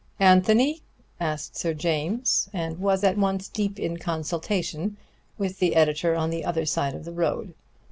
"Anthony?" asked Sir James; and was at once deep in consultation with the editor on the other side of the road.